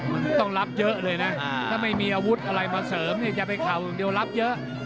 มันต้องรับเยอะเลยนะถ้าไม่มีอาวุธอะไรมาเสริมเนี่ยจะไปเข่าอย่างเดียวรับเยอะ